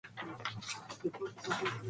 修学旅行で京都に行く。